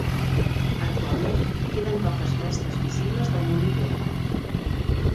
Actualment queden poques restes visibles del molí vell.